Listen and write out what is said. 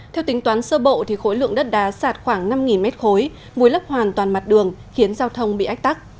theo tính toán sơ bộ khối lượng đất đá sạt khoảng năm m ba mùi lấp hoàn toàn mặt đường khiến giao thông bị ách tắc